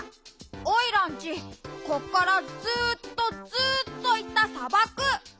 おいらんちこっからずっとずっといったさばく。